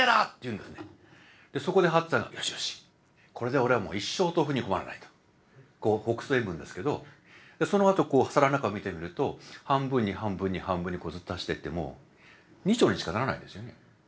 でそこで八っつぁんが「よしよしこれで俺はもう一生豆腐に困らない」とこうほくそ笑むんですけどそのあと皿の中を見てみると半分に半分に半分にずっと足してっても２丁にしかならないんですよね。